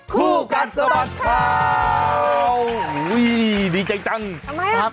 คู่กัดสะบัดข่าวอุ้ยดีใจจังทำไมครับ